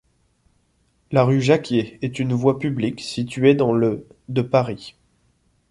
La rue Jacquier est une voie publique située dans le de Paris.